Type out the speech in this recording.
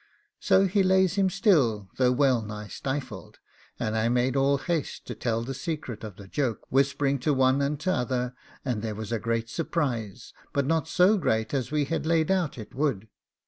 So he lays him still, though well nigh stifled, and I made all haste to tell the secret of the joke, whispering to one and t'other, and there was a great surprise, but not so great as we had laid out it would.